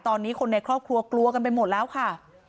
ตอนนี้คนในครอบครัวกลัวกันไปหมดแล้วค่ะ